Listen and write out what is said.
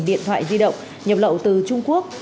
điện thoại di động nhập lậu từ trung quốc